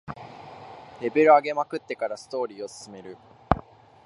レベル上げまくってからストーリーを進める